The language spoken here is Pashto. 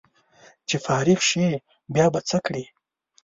چې فارغ شې بیا به څه کړې